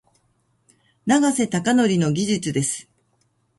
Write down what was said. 永瀬貴規の技術です。